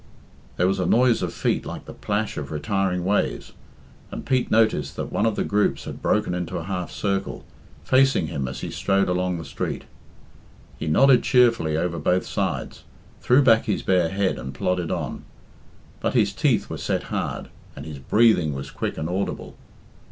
There was a noise of feet like the plash of retiring waves, and Pete noticed that one of the groups had broken into a half circle, facing him as he strode along the street. He nodded cheerfully over both sides, threw back his bare head, and plodded on. But his teeth were set hard, and his breathing was quick and audible.